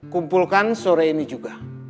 kumpulkan sore ini juga